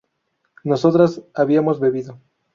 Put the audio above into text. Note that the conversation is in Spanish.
nosotras habíamos bebido